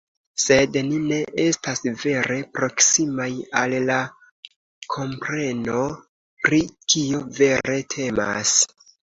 Sed ni ne estas vere proksimaj al la kompreno pri kio vere temas”.